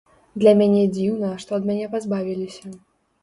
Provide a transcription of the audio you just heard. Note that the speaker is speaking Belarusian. Для мяне дзіўна, што ад мяне пазбавіліся.